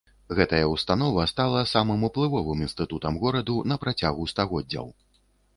Гэтая ўстанова стала самым уплывовым інстытутам гораду на працягу стагоддзяў.